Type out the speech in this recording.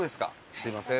すみません